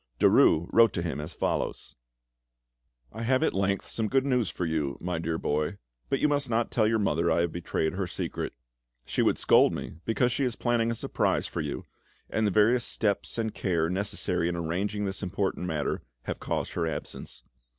Derues wrote to him as follows: "I have at length some good news for you, my dear boy, but you must not tell your mother I have betrayed her secret; she would scold me, because she is planning a surprise for you, and the various steps and care necessary in arranging this important matter have caused her absence.